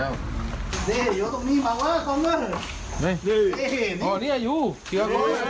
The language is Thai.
โอ้โฮ